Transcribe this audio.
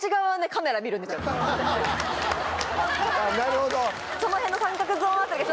なるほど！